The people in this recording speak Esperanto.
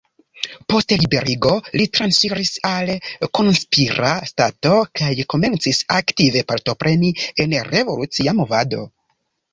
Post liberigo li transiris al konspira stato kaj komencis aktive partopreni en revolucia movado.